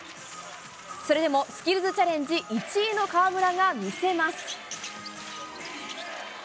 それでもスキルズチャレンジ１位の河村が見せます。